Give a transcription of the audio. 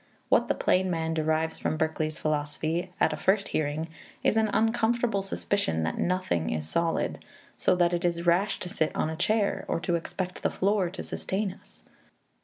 What the plain man derives from Berkeley's philosophy at a first hearing is an uncomfortable suspicion that nothing is solid, so that it is rash to sit on a chair or to expect the floor to sustain us.